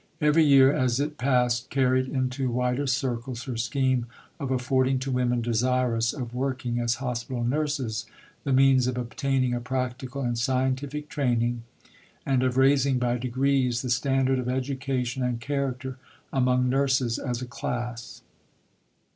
Every year as it passed carried into wider circles her scheme of affording to women desirous of working as hospital nurses the means of obtaining a practical and scientific training, and of raising by degrees the standard of education and character among nurses as a class.